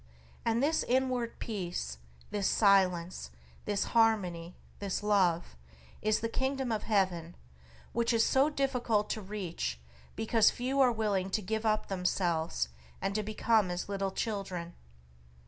And this inward peace, this silence, this harmony, this Love, is the Kingdom of Heaven, which is so difficult to reach because few are willing to give up themselves and to become as little children.